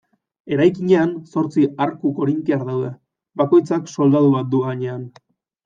Eraikinean zortzi arku korintiar daude, bakoitzak soldadu bat du gainean.